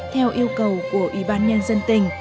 theo yêu cầu của ủy ban nhân dân tình